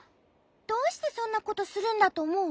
どうしてそんなことするんだとおもう？